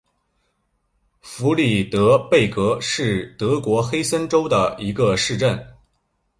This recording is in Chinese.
弗里德贝格是德国黑森州的一个市镇。